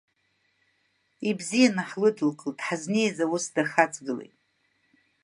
Ибзианы ҳлыдылкылт, ҳазнеиз аус дахаҵгылеит.